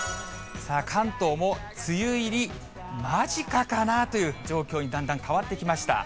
さあ、関東も梅雨入り間近かなという状況にだんだん変わってきました。